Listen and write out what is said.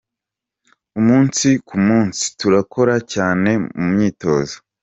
Umunsi ku munsi turakora cyane mu myitozo.